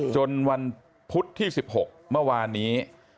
จนวันพุธที่๑๖เมื่อวานนี้